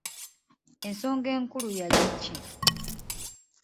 Ensonga enkulu yali ki?